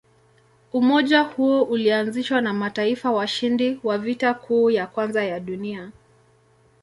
Umoja huo ulianzishwa na mataifa washindi wa Vita Kuu ya Kwanza ya Dunia.